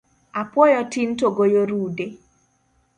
Apuoyo tin to goyo rude